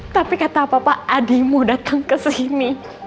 tapi kata papa adi mau datang kesini